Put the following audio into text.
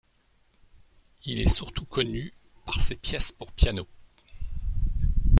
Il est surtout connu par ses pièces pour piano.